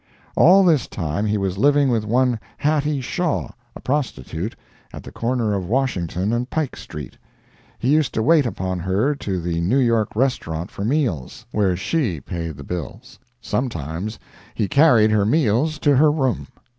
All this time he was living with one Hattie Shaw, a prostitute, at the corner of Washington and Pike street; he used to wait upon her to the New York Restaurant for meals, where she paid the bills. Sometimes he carried her meals to her room.